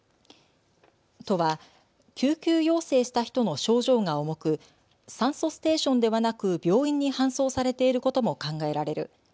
都は、救急要請した人の症状が重く酸素ステーションではなく病院に搬送されていることも考えられる。